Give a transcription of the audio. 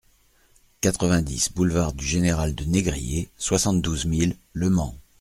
quatre-vingt-dix boulevard du Général de Négrier, soixante-douze mille Le Mans